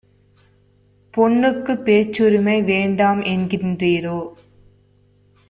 "பெண்ணுக்குப் பேச்சுரிமை வேண்டாம்என் கின்றீரோ?